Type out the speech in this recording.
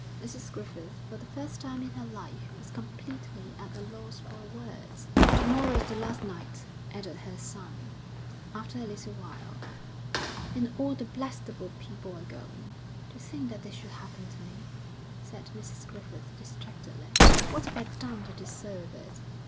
Mrs Griffith, for the first time in her life, was completely at a loss for words. 'To morrow's the last night,' added her son, after a little while, 'and all the Blackstable people are going.' 'To think that this should happen to me!' said Mrs Griffith, distractedly. 'What have I done to deserve it?